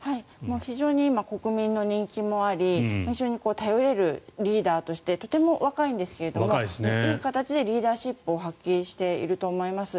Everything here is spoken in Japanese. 非常に今国民の人気もあり非常に頼れるリーダーとしてとても若いんですけれどもいい形でリーダーシップを発揮していると思います。